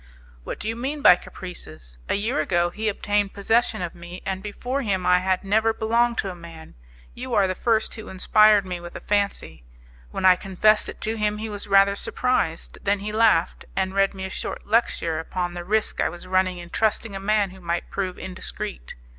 "What do you mean by caprices? A year ago he obtained possession of me, and before him I had never belonged to a man; you are the first who inspired me with a fancy. When I confessed it to him he was rather surprised, then he laughed, and read me a short lecture upon the risk I was running in trusting a man who might prove indiscreet.